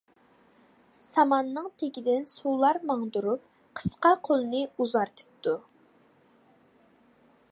ساماننىڭ تېگىدىن سۇلار ماڭدۇرۇپ، قىسقا قولىنى ئۇزارتىپتۇ.